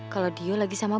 kalau dio lagi sama